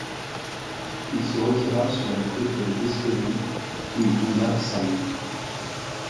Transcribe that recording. Il se retira sur les côtes d'Hespérie où il fonda Salente.